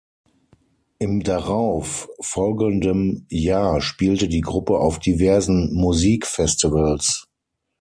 Im darauf folgendem Jahr spielte die Gruppe auf diversen Musikfestivals.